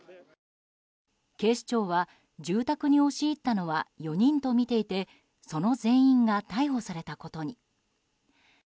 警視庁は住宅に押し入ったのは４人とみていてその全員が逮捕されたことに。